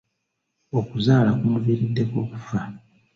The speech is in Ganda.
Okuzaala kwamuviiriddeko okufa.